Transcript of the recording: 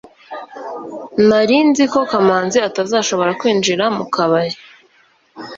nari nzi ko kamanzi atazashobora kwinjira mukabari